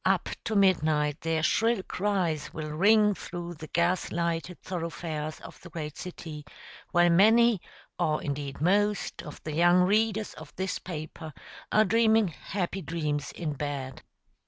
Up to midnight their shrill cries will ring through the gas lighted thoroughfares of the great city, while many or, indeed, most of the young readers of this paper are dreaming happy dreams in bed.